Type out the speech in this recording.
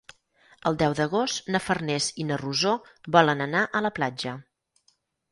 El deu d'agost na Farners i na Rosó volen anar a la platja.